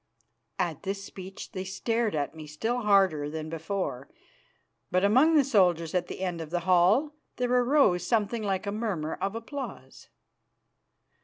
At this speech they stared at me still harder than before, but among the soldiers at the end of the hall there arose something like a murmur of applause.